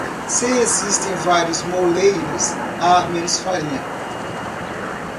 Se existem vários moleiros, há menos farinha.